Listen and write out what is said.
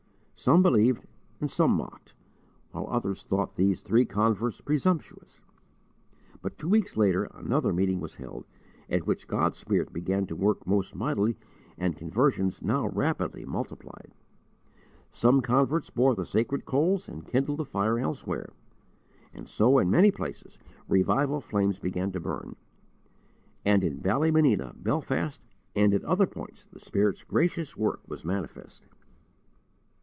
Some believed and some mocked, while others thought these three converts presumptuous; but two weeks later another meeting was held, at which God's Spirit began to work most mightily and conversions now rapidly multiplied. Some converts bore the sacred coals and kindled the fire elsewhere, and so in many places revival flames began to burn; and in Ballymena, Belfast, and at other points the Spirit's gracious work was manifest.